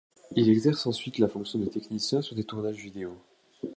Il exerce ensuite la fonction de technicien sur des tournages vidéos.